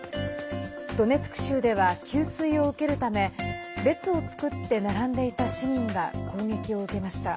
ドネツク州では給水を受けるため列を作って並んでいた市民が攻撃を受けました。